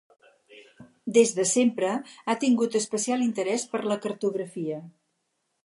Des de sempre ha tingut especial interès per la cartografia.